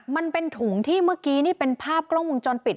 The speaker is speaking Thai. มันเป็นถุงที่เมื่อกี้นี่เป็นภาพกล้องวงจรปิด